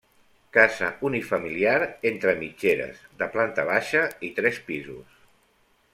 Casa unifamiliar entre mitgeres, de planta baixa i tres pisos.